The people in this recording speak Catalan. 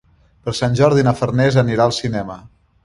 Per Sant Jordi na Farners anirà al cinema.